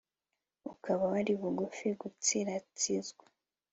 ukaba wari bugufi gutsiratsizwa